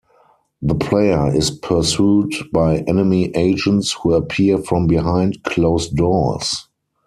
The player is pursued by enemy agents who appear from behind closed doors.